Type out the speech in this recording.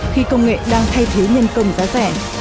khi công nghệ đang thay thiếu nhân công giá rẻ